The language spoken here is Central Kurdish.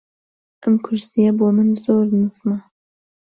ئەم کورسییە بۆ من زۆر نزمە.